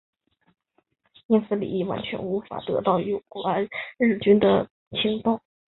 因此李镒完全无法得到有关日军的情报。